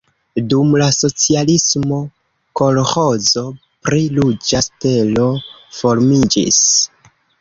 Dum la socialismo kolĥozo pri Ruĝa Stelo formiĝis.